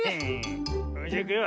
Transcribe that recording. それじゃいくよ。